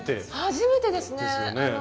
初めてですよね。